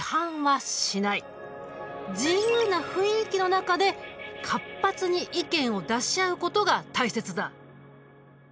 自由な雰囲気の中で活発に意見を出し合うことが大切だ。